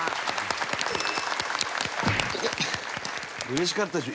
嬉しかったでしょ。